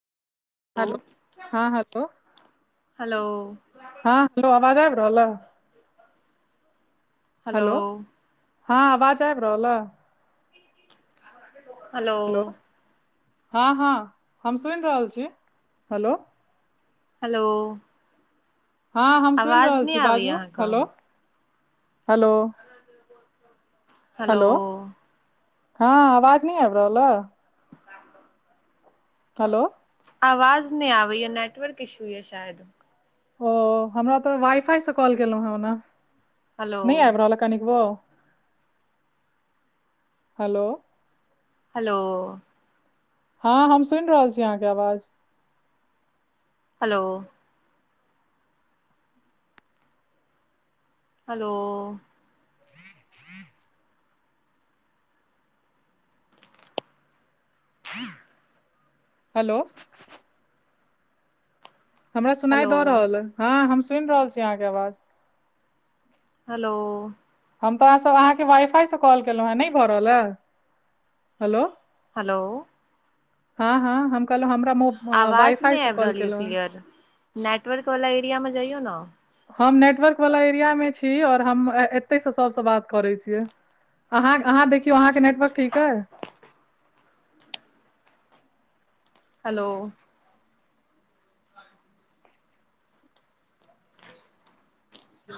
hello हँ hello hello हँ hello आवाज आबि रहल ह हेलो हँ आवाज आबि रहल ऐ हेलो हँ हँ हम सुनि रहल छी हेलो हेलो हँ हम सुनि आवाज रहल नहि छी आबैय बाजू अहाँके हेलो हेलो हेलो हँ आवाज नहि आबि रहल अय [unintelligible] हेलो आवाज नहि आबै ये नेटवर्क इशू ये शायद ओ हमरा तॅं वाई फाई सॅं कॉल केलो है ओना हेलो न आब रहल कानिकबो हेलो हेलो हँ हम सुनि रहल छी अहाँके आवाज हेलो हेलो [unintelligible] हेलो हमरा सुनाई हेलो दऽ रहल हँ हम सुनि रहल छी अहाँके आवाज हेलो हम तऽ अहाँसे अहाँके वाइ फाईसँ कॉल केलहुँ हँ नहि भऽ रहल ह हेलो हेलो हँ हँ हम कहलहुँ हमरा वाई आवाज फाई नहि से आबि कॉल रहल यऽ केलहु है क्लियर नेटवर्क वला एरियामे जइयौ ने हम नेटवर्क वला एरियामे छी आओर हम एतहिसँ सभसँ बात करैत छियै अहाँ अहाँ देखियौ अहाँके नेटवर्क ठीक अइ हेलो